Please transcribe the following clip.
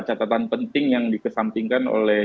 catatan penting yang dikesampingkan oleh